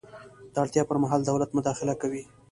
د اړتیا پر مهال دولت مداخله کوي.